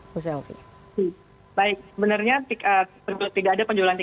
baik sebenarnya tiket